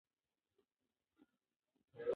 کله چې نوښت ملاتړ شي، اقتصاد پیاوړی کېږي.